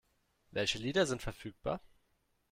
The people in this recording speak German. Welche Lieder sind verfügbar?